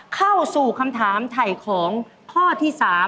เข้าสู่คำถามถ่ายของข้อที่๓